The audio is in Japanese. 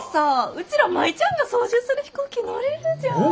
うちら舞ちゃんが操縦する飛行機乗れるじゃん！